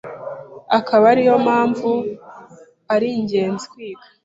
akaba ari yo mpamvu ari ngenzi kwiga